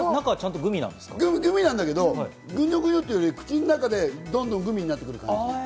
グミだけどグニョグニョというより、口の中でどんどんグミになっていく感じ。